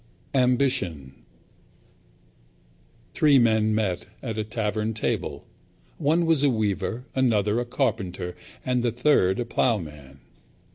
Ambition Three men met at a tavern table. One was a weaver, another a carpenter and the third a ploughman.